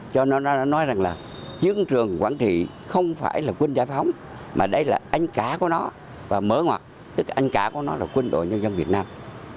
cho nên là nó nói rằng là chiến trường quản thị không phải là quân giải phóng mà đây là anh cả của nó và mở ngoặt tức anh cả của nó là quân đội nhân dân việt nam